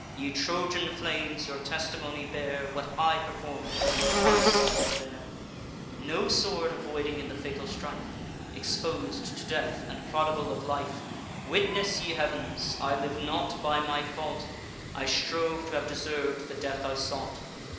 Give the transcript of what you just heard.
Ye Trojan flames, your testimony bear, What I perform'd, and what I suffer'd there; No sword avoiding in the fatal strife, Expos'd to death, and prodigal of life; Witness, ye heavens! I live not by my fault: I strove to have deserv'd the death I sought.